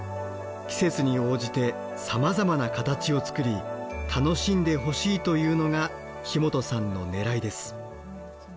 季節に応じてさまざまな形を作り楽しんでほしいというのが木本さんのねらいです。